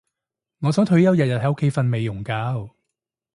我想退休日日喺屋企瞓美容覺